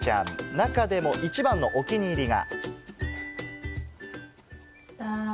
中でも一番のお気に入りが。